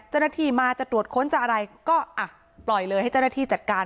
เจ้าหน้าที่มาจะตรวจค้นจะอะไรก็อ่ะปล่อยเลยให้เจ้าหน้าที่จัดการ